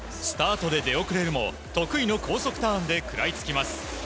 スタートで出遅れるも、得意の高速ターンで食らいつきます。